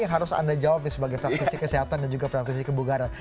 yang harus anda jawab nih sebagai praktisi kesehatan dan juga praktisi kebugaran